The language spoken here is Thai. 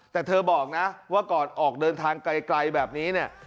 แต่เธอบอกนะว่าก่อนออกเดินทางไกลแบบนี้เนี่ย